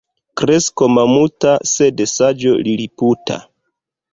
Kresko mamuta, sed saĝo liliputa.